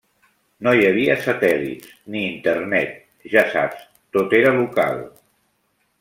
No hi havia satèl·lits, ni internet, ja saps, tot era local.